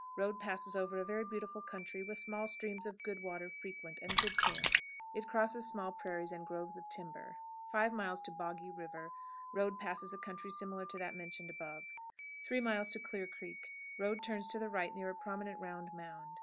Road passes over a very beautiful country, with small streams of good water frequent, and good camps. It crosses small prairies and groves of timber. 5. Boggy River. Road passes a country similar to that mentioned above. 3. Clear Creek. Road turns to the right near a prominent round mound.